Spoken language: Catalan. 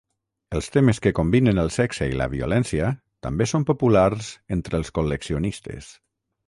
Els temes que combinen el sexe i la violència també són populars entre els col·leccionistes.